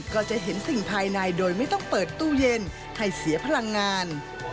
ก็จะเห็นสิ่งภายในโดยไม่ต้องเปิดตู้เย็นให้เสียพลังงาน